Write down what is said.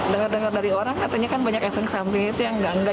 dengar dengar dari orang katanya kan banyak efek samping itu yang enggak enggak